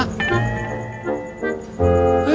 mak teh nggak sayang bener sama menantunya